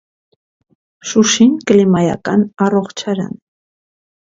Շուշին կլիմայական առողջարան է։